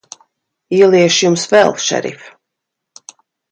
Ieliešu Jums vēl, šerif.